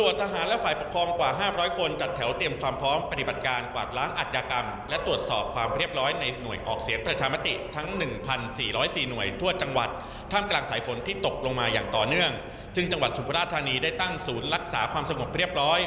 ซึ่งจังหวัดสุพราชธานีได้ตั้งศูนย์รักษาความสงบเรียบร้อย